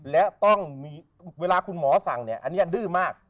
และต้องมีเวลาคุณหมอสั่งเนี่ยอันนี้ดื้อมาก